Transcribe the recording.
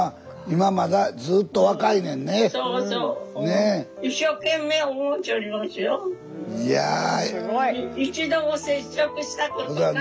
えすごい。